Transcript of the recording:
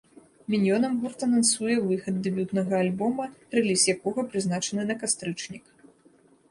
Міньёнам гурт анансуе выхад дэбютнага альбома, рэліз якога прызначаны на кастрычнік.